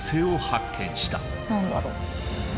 何だろう？